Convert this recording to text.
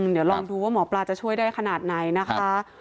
เดี๋ยวลองดูว่าหมอปลาจะช่วยได้ขนาดไหนนะคะ